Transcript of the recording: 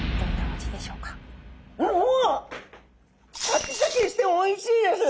シャキシャキしておいしいです！